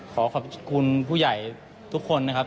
ขอขอบคุณผู้ใหญ่ทุกคนนะครับ